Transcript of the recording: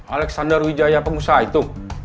alexander wijaya pengusaha itu